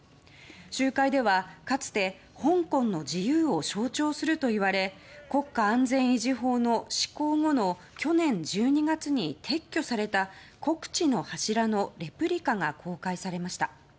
集会では、かつて香港の自由を象徴するといわれ国家安全維持法の施行後の去年１２月に撤去された国恥の柱のレプリカが公開されました。